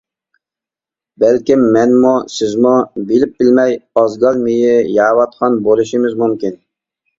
بەلكىم، مەنمۇ، سىزمۇ بىلىپ-بىلمەي ئازگال مېيى يەۋاتقان بولۇشىمىز مۇمكىن.